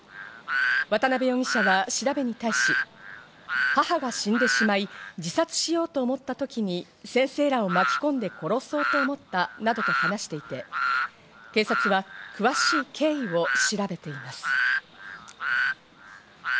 渡辺容疑者は調べに対し、母が死んでしまい自殺しようと思った時に先生らを巻き込んで殺そうと思ったなどと話していて、警察は、詳しい経緯を調べています。